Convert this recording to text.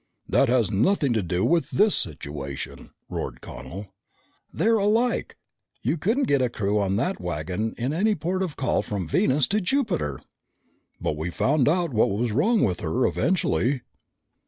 '" "That has nothing to do with this situation!" roared Connel. "They're alike! You couldn't get a crew on that wagon in any port of call from Venus to Jupiter!" "But we found out what was wrong with her eventually!"